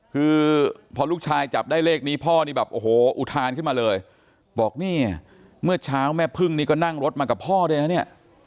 คือพอลูกชายจับได้เลขนี้พ่อนี่แบบโอ้โหอุทานขึ้นมาเลยบอกเนี่ยเมื่อเช้าแม่พึ่งนี่ก็นั่งรถมากับพ่อด้วยนะเนี่ย